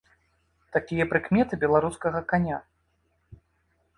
Такія прыкметы беларускага каня.